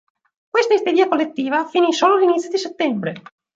Questa isteria collettiva finì solo agli inizi di settembre.